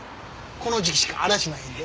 この時期しかあらしまへんで。